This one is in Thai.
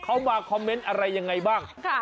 เขามาคอมเมนต์อะไรยังไงบ้าง